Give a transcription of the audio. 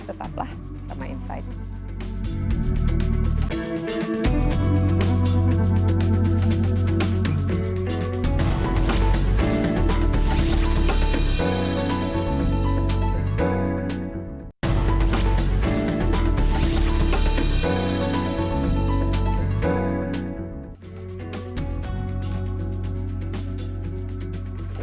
tetaplah sama insight